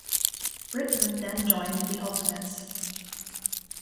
Britain then joined the Ultimates.